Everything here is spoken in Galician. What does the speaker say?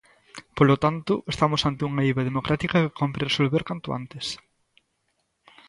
Polo tanto, estamos ante unha eiva democrática que cómpre resolver canto antes.